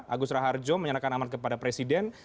agus raharjo menyerahkan amanat kepada presiden